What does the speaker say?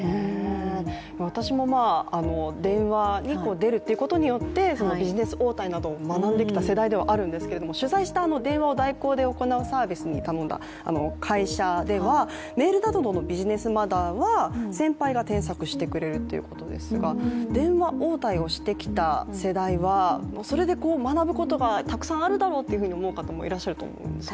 私も電話に出るということによってビジネス応対などを学んできた世代ではあるんですけど、取材した電話を代行で行うサービスに頼んだ会社ではメールなどのビジネスマナーは先輩が添削してくれるということですが電話応対をしてきた世代はそれで学ぶことがたくさんあるだろうと思う方もいらっしゃると思うんですが。